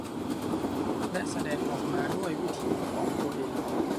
และแสดงออกมาด้วยวิถีของตัวเอง